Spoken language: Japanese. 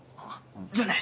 じゃあね！